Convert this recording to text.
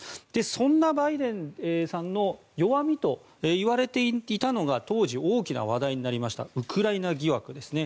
そんなバイデンさんの弱みといわれていたのが当時、大きな話題となりましたウクライナ疑惑ですね。